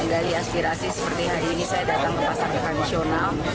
dari aspirasi seperti hari ini saya datang ke pasar tradisional